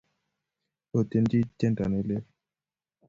Otyenji tyendo ne leel.